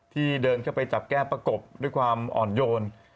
เดินเข้าไปจับแก้ประกบด้วยความอ่อนโยน